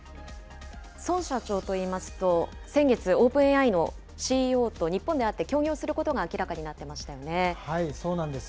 孫社長といいますと、先月、オープンＡＩのＣＥＯと日本で会って、協業することが明らかになそうなんです。